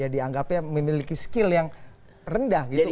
dianggapnya memiliki skill yang rendah gitu